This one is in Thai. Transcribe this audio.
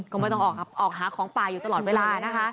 ก็ไม่ต้องออกครับออกหาของป่าอยู่ตลอดเวลานะคะ